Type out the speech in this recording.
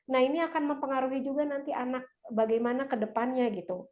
nah ini akan mempengaruhi juga nanti anak bagaimana ke depannya gitu